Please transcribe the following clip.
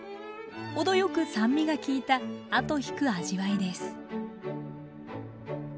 程よく酸味が利いた後引く味わいです